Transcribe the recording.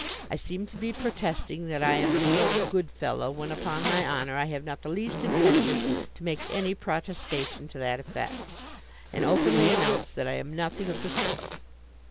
I seem to be protesting that I am a sort of good fellow, when, upon my honour, I have not the least intention to make any protestation to that effect, and openly announce that I am nothing of the sort.